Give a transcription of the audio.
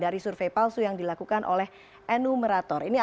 dan di dua puluh tahun